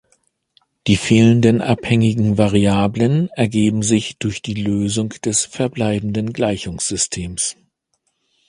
Die fehlenden abhängigen Variablen ergeben sich durch die Lösung des verbleibenden Gleichungssystems.